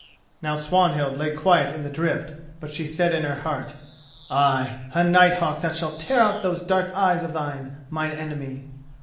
Now Swanhild lay quiet in the drift, but she said in her heart: "Ay, a night hawk that shall tear out those dark eyes of thine, mine enemy!"